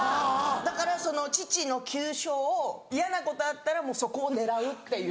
だから父の急所を嫌なことあったらそこを狙うっていう。